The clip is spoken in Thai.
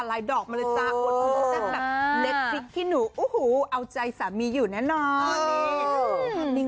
ลายดอกมาเลยจ้ะแบบที่หนูอู้หูเอาใจสามีอยู่แน่นอนอืม